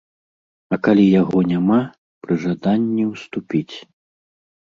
А калі яго няма, пры жаданні ўступіць.